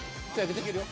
できるよ。